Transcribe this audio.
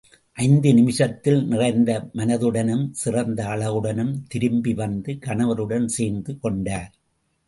ஐந்து நிமிஷத்தில் நிறைந்த மனதுடனும் சிறந்த அழகுடனும் திரும்பி வந்து கணவருடன் சேர்ந்து கொண்டார்.